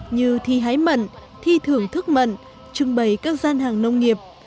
như thi hái mận thi thưởng thức mận trưng bày các gian hàng nông nghiệp